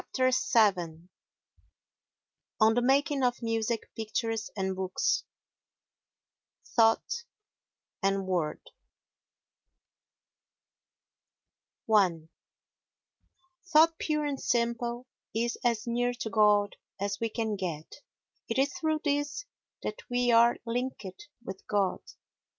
VII On the Making of Music, Pictures and Books Thought and Word i THOUGHT pure and simple is as near to God as we can get; it is through this that we are linked with God.